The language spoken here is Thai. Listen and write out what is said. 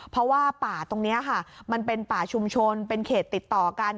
เพราะว่าป่าตรงนี้ค่ะมันเป็นป่าชุมชนเป็นเขตติดต่อกัน